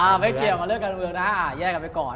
อ่าไม่เกี่ยวมาเลือกกันบนเมืองนะย่ายกันไปก่อน